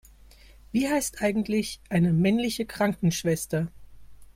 Wie heißt eigentlich eine männliche Krankenschwester?